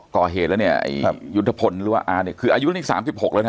ก่อเหตุแล้วเนี้ยครับยุทธพลหรือว่าอ่าเนี้ยคืออายุนี้สามสิบหกแล้วนะ